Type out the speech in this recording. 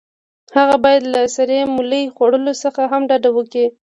هغه باید له سرې مولۍ خوړلو څخه هم ډډه وکړي.